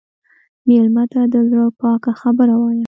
مېلمه ته د زړه پاکه خبره وایه.